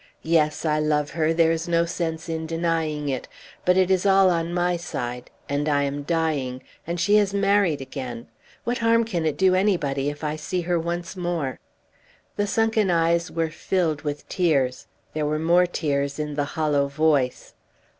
Yes, I love her! There is no sense in denying it. But it is all on my side, and I am dying, and she has married again! What harm can it do anybody if I see her once more?" The sunken eyes were filled with tears. There were more tears in the hollow voice.